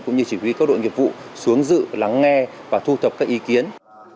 cũng như chỉ huy các đội nghiệp vụ xuống dự lắng nghe và thu thập các ý kiến